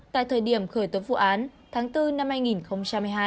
tại thời điểm khởi tốt vụ án tháng bốn năm hai nghìn một mươi hai